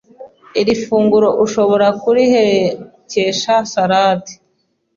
Iri funguro ushobora kuriherekesha salade